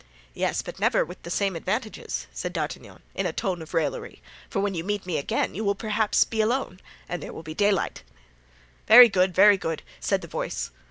"Yes, but never with the same advantages," said D'Artagnan, in a tone of raillery; "for when you meet me again you will perhaps be alone and there will be daylight." "Very good, very good," said the voice.